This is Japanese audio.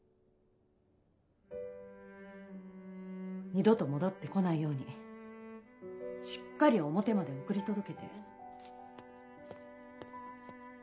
二度と戻って来ないようにしっかり表まで送り届けて。